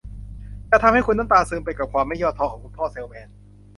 จะทำให้คุณน้ำตาซึมไปกับความไม่ย่อท้อของคุณพ่อเซลส์แมน